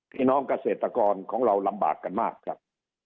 พี่น้องเกษตรกรของเราลำบากกันมากครับ